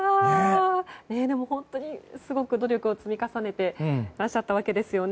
でも本当にすごく努力を積み重ねてらっしゃったんですね。